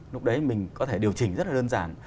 lúc đấy mình có thể điều chỉnh rất là đơn giản